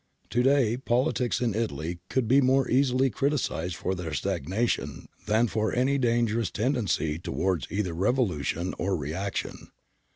To day politics in Italy could be more easily criticised for their stagnation than for any dangerous tendency towards either revolution or reaction.